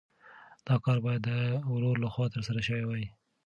دا کار باید د ورور لخوا ترسره شوی وای.